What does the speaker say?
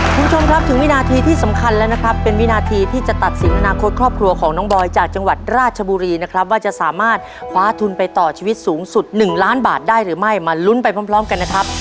คุณผู้ชมครับถึงวินาทีที่สำคัญแล้วนะครับเป็นวินาทีที่จะตัดสินอนาคตครอบครัวของน้องบอยจากจังหวัดราชบุรีนะครับว่าจะสามารถคว้าทุนไปต่อชีวิตสูงสุด๑ล้านบาทได้หรือไม่มาลุ้นไปพร้อมกันนะครับ